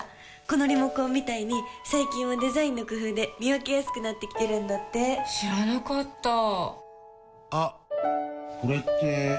このリモコンみたいに最近はデザインの工夫で見分けやすくなってきてるんだって知らなかったあっ、これって・・・